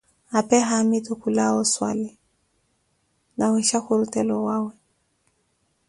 apee haamitu kulawa oswali, nawisha khurutela owawe.